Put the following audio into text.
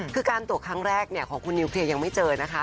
คือการตรวจครั้งแรกของคุณนิวเคลียร์ยังไม่เจอนะคะ